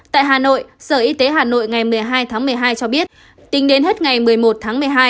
tại hà nội sở y tế hà nội ngày một mươi hai tháng một mươi hai cho biết tính đến hết ngày một mươi một tháng một mươi hai